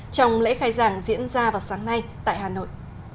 trong lễ khai giảng diễn ra vào sáng nay tại hà nội